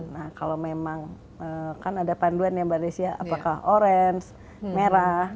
nah kalau memang kan ada panduan ya mbak desya apakah orange merah